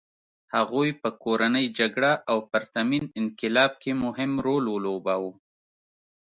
هغوی په کورنۍ جګړه او پرتمین انقلاب کې مهم رول ولوباوه.